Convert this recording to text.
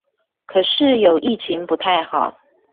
可是有疫情不太好